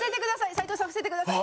斉藤さん伏せてください。